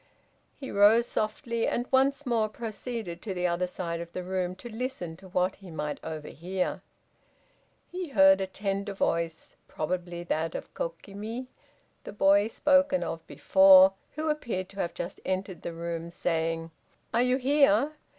He rose softly, and once more proceeded to the other side of the room to listen to what he might overhear. He heard a tender voice, probably that of Kokimi, the boy spoken of before, who appeared to have just entered the room, saying: "Are you here?"